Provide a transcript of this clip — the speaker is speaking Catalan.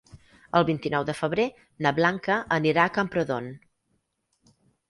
El vint-i-nou de febrer na Blanca anirà a Camprodon.